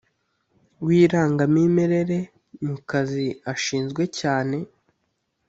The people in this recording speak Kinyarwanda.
w irangamimerere mu kazi ashinzwe cyane